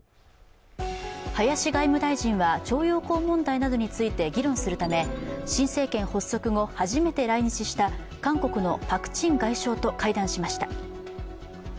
林外務大臣は徴用工問題などについて議論するため、新政権発足後初めて来日した韓国のパク・チン外相と会談しました。